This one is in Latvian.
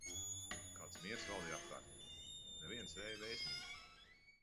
Kāds miers valdīja apkārt, nevienas vēja vēsmiņas.